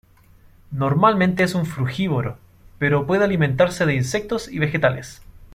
Normalmente es un frugívoro, pero puede alimentarse de insectos y vegetales.